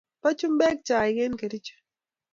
Pa chumbek chaik en kericho